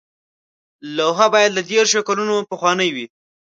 لوحه باید له دیرشو کلونو پخوانۍ وي.